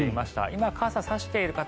今、傘を差している方